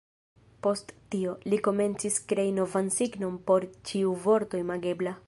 Post tio, li komencis krei novan signon por ĉiu vorto imagebla.